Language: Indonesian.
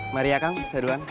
mari ya kang seduhan